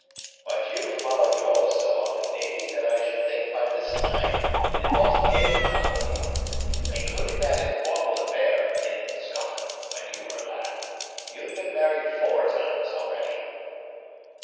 "But you've followed yours so often, Davy, that I should think by this time it had lost the edge of novelty. Including that informal affair in Scotland, when you were a lad, you've been married four times already."